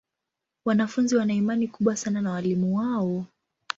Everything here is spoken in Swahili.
Wanafunzi wana imani kubwa sana na walimu wao.